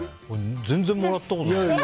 全然もらったことない。